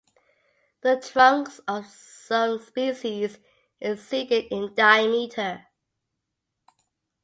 The trunks of some species exceeded in diameter.